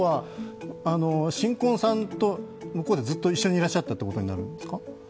新婚さんと向こうでずっと一緒にいらっしゃったということになるんですか？